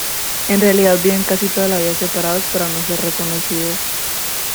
En realidad viven casi toda la vida separados para no ser reconocidos.